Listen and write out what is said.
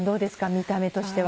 見た目としては。